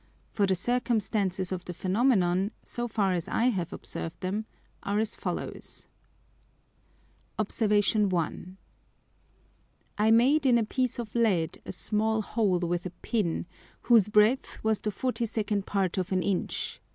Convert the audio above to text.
For the circumstances of the Phænomenon, so far as I have observed them, are as follows. Obs. 1. I made in a piece of Lead a small Hole with a Pin, whose breadth was the 42d part of an Inch.